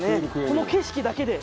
この景色だけで。